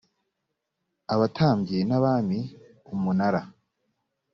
abatambyi n abami umunara